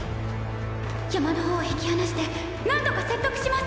山の方へ引き離してなんとか説得します。